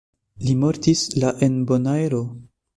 Li mortis la en Bonaero.